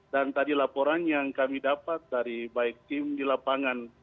dan tadi laporan yang kami dapat dari baik tim di lapangan